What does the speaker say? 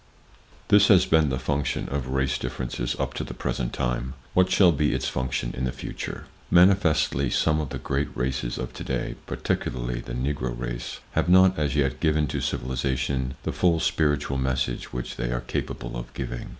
This has been the function of race differences up to the present time. What shall be its function in the future? Manifestly some of the great races of today—particularly the Negro race—have not as yet given to civilization the full spiritual message which they are capable of giving.